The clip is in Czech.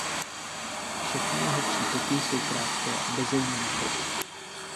Všechny jeho přítoky jsou krátké a bezejmenné.